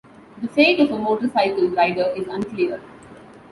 The fate of the motorcycle rider is unclear.